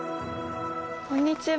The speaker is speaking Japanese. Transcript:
こんにちは。